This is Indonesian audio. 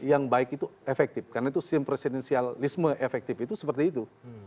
yang baik itu efektif karena itu sistem presidensialisme efektif itu seperti itu